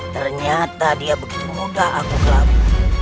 ternyata dia begitu mudah aku kelabu